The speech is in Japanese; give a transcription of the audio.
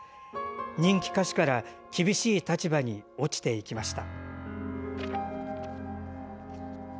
人気歌手から厳しい立場に落ちていきました。